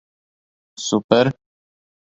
Super!